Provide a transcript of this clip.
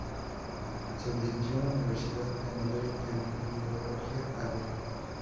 Se licenció en la Universidad de Madrid en Filología árabe.